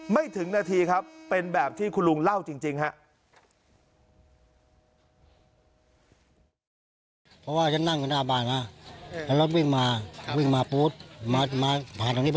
ไม่ถึงนาทีครับเป็นแบบที่คุณลุงเล่าจริงครับ